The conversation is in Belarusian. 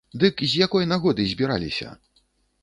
Дык з якой нагоды збіраліся?